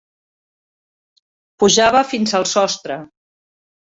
Pujava fins al sostre.